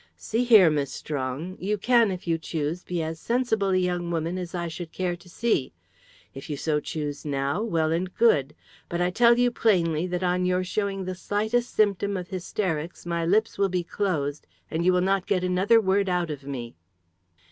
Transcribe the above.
"See here, Miss Strong. You can, if you choose, be as sensible a young woman as I should care to see. If you so choose now, well and good. But I tell you plainly that on your showing the slightest symptom of hysterics my lips will be closed, and you will not get another word out of me."